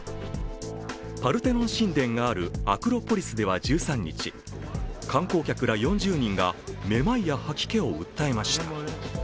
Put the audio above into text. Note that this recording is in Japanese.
パルテノン神殿があるアクロポリスでは１３日、観光客ら４０人がめまいや吐き気を訴えました。